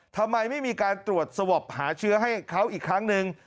ทำไมไม่มีการตรวจสวอปหาเชื้อให้เขาอีกครั้งหนึ่ง